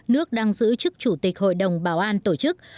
nước đang giữ chức chủ tịch hội đồng bảo an tổ chức